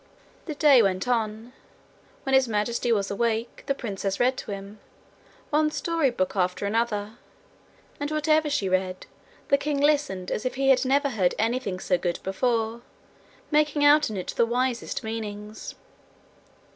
The day went on. When His Majesty was awake, the princess read to him one storybook after another; and whatever she read, the king listened as if he had never heard anything so good before, making out in it the wisest meanings.